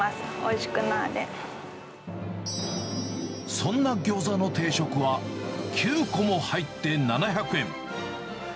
そんなギョーザの定食は、９個も入って７００円。